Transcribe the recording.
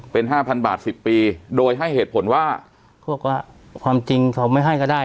เป็นห้าพันบาทสิบปีโดยให้เหตุผลว่าเขาบอกว่าความจริงเขาไม่ให้ก็ได้